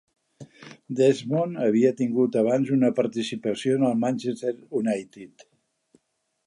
Desmond havia tingut abans una participació en el Manchester United.